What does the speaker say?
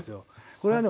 これはね